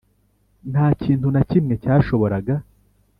nta kintu na kimwe cyashoboraga